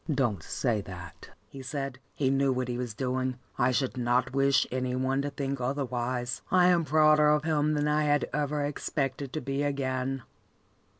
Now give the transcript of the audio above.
"Don't say that," he said. "He knew what he was doing. I should not wish any one to think otherwise. I am prouder of him than I had ever expected to be again."